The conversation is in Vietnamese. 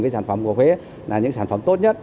sản phẩm của huế là những sản phẩm tốt nhất